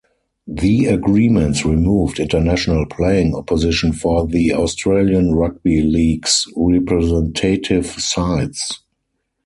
The agreements removed international playing opposition for the Australian Rugby League's representative sides.